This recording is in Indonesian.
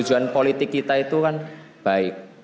tujuan politik kita itu kan baik